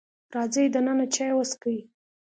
راځئ دننه چای وسکئ.